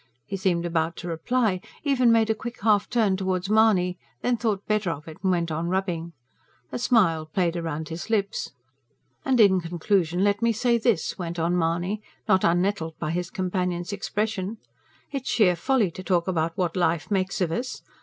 He seemed about to reply, even made a quick half turn towards Mahony; then thought better of it, and went on rubbing. A smile played round his lips. "And in conclusion let me say this," went on Mahony, not unnettled by his companion's expression. "It's sheer folly to talk about what life makes of us.